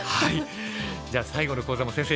じゃあ最後の講座も先生